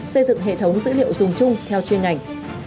xây dựng hệ thống dữ liệu dùng chung theo chuyên ngành